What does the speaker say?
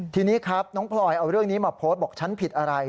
ทีนี้ครับน้องพลอยเอาเรื่องนี้มาโพสต์บอกฉันผิดอะไร